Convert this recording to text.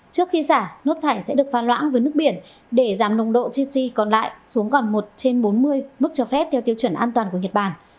trước khi xả nước thải sẽ được pha loãng với nước biển để giảm nồng độ chi còn lại xuống còn một trên bốn mươi mức cho phép theo tiêu chuẩn an toàn của nhật bản